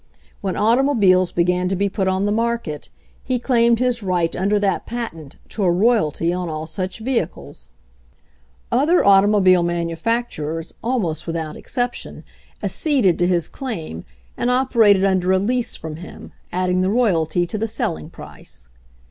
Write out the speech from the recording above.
When automobiles began to be put on the market, he claimed his right under that patent to a royalty on all such vehicles. Other automobile manufacturers almost without ex 134 HENRY FORD'S OWN STORY ception acceded to his claim and operated under a lease from him, adding the royalty to the selling price.